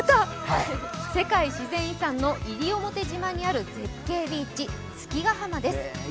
世界自然遺産の西表島にある絶景ビーチ、月ヶ浜です。